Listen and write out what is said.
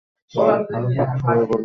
মৃদু স্বরে বলল, রাত হয়ে যাচ্ছে, আমি যাই।